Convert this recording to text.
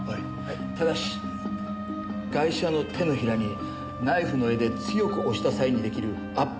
ただしガイシャの手のひらにナイフの柄で強く押した際に出来る圧迫痕が見られます。